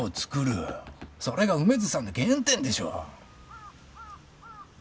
それが梅津さんの原点でしょ？